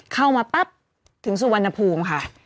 เข้ามาปั๊บถึงสุวรรณภูมิค่ะ